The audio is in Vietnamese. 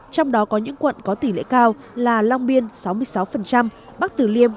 trong đó có những quận có tỷ lệ cao là long biên sáu mươi sáu bắc tử liêm tám mươi chín